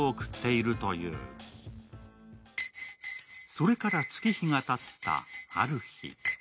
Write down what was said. それから月日がたった、ある日。